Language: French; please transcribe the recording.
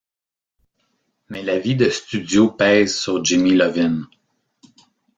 Mais la vie de studio pèse sur Jimmy Iovine.